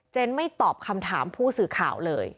ไม่ตอบคำถามผู้สื่อข่าวเลย